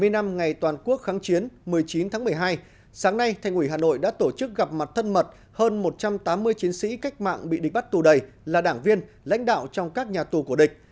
bảy mươi năm ngày toàn quốc kháng chiến một mươi chín tháng một mươi hai sáng nay thành ủy hà nội đã tổ chức gặp mặt thân mật hơn một trăm tám mươi chiến sĩ cách mạng bị địch bắt tù đầy là đảng viên lãnh đạo trong các nhà tù của địch